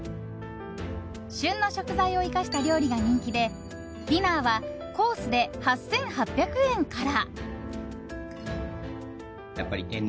旬の食材を生かした料理が人気でディナーはコースで８８００円から。